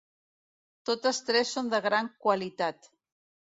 Totes tres són de gran qualitat.